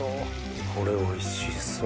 これおいしそう。